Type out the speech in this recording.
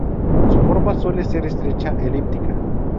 Su forma suele ser estrecha elíptica.